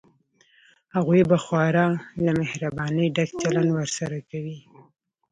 هغوی به خورا له مهربانۍ ډک چلند ورسره کوي.